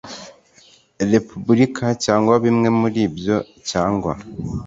repubulika cyangwa bimwe muri byo cyangwa